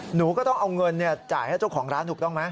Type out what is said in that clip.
หนูก็ต้องเอาเงินจ่ายให้เจ้าของร้านถูกต้องไหม